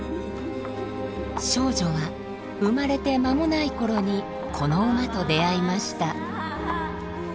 少女は生まれて間もない頃にこの馬と出会いました。